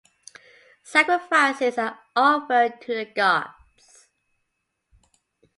Sacrifices are offered to the gods.